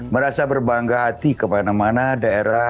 merasa berbangga hati ke mana mana daerah